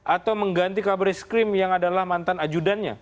atau mengganti kabreskrim yang adalah mantan ajudannya